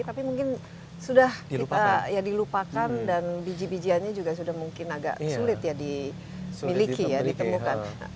tapi mungkin sudah kita ya dilupakan dan biji bijiannya juga sudah mungkin agak sulit ya dimiliki ya ditemukan